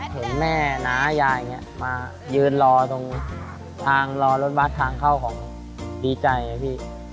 เห็นแม่หนายายมายืนรอตรงทางรถบัสทางเข้าของดีใจ